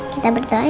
kita berdoa ya oma